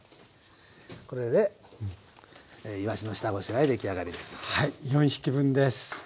これでいわしの下ごしらえ出来上がりです。